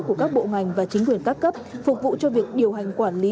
của các bộ ngành và chính quyền các cấp phục vụ cho việc điều hành quản lý